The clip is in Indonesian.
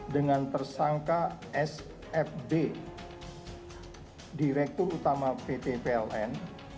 dengan tersangka sfd direktur utama pt pln